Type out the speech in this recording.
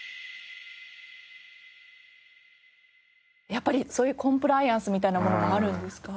やっぱりそういうコンプライアンスみたいなものもあるんですか？